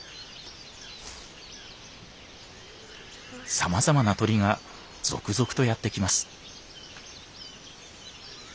さまざまな鳥が続々とやって来ます。